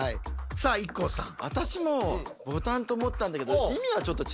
さあＩＫＫＯさん。